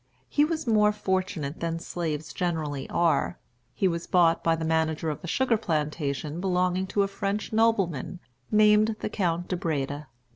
He was more fortunate than slaves generally are. He was bought by the manager of a sugar plantation belonging to a French nobleman, named the Count de Breda.